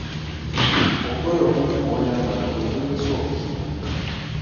Obugoye obumpi bw'oyambala bwe buleese obuzibu.